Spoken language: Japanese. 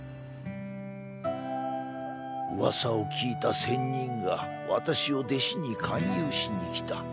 「うわさを聞いた仙人が私を弟子に勧誘しに来た。